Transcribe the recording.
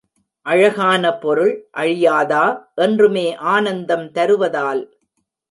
அழகான பொருள் அழியாதா, என்றுமே ஆனந்தம் தருவதால்?